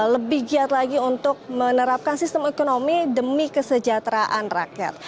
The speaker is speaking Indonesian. lebih giat lagi untuk menerapkan sistem ekonomi demi kesejahteraan rakyat